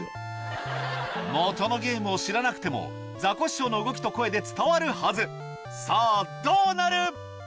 もとのゲームを知らなくてもザコシショウの動きと声で伝わるはずさぁどうなる？